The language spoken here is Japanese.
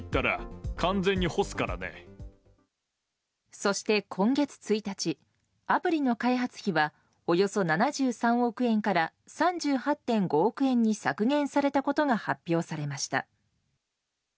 そして、今月１日アプリの開発費はおよそ７３億円から３８．５億円に削減されたことが発表されました。